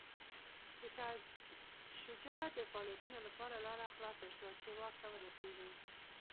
د شاه شجاع د فعالیتونو لپاره لاره خلاصه شوه چې واک ته ورسېږي.